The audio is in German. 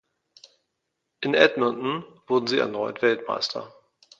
In Edmonton wurden sie erneut Weltmeister.